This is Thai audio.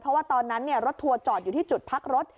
เพราะว่าตอนนั้นรถทัวร์จอดอยู่ที่จุดพักรถ